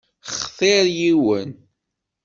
Xtiṛ yiwen.